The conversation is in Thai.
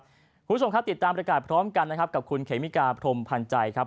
คุณผู้ชมครับติดตามบริการพร้อมกันนะครับกับคุณเขมิกาพรมพันธ์ใจครับ